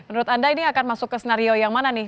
menurut anda ini akan masuk ke snario yang mana nih